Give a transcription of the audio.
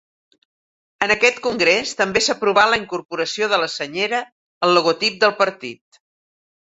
En aquest congrés també s'aprovà la incorporació de la senyera al logotip del partit.